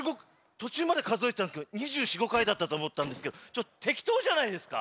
とちゅうまでかぞえてたんですけど２４２５かいだったとおもったんですけどちょっとてきとうじゃないですか？